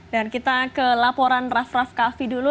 dan kita ke laporan rafraf kavi dulu